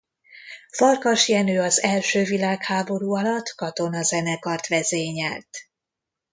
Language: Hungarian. Farkas Jenő az első világháború alatt katonazenekart vezényelt.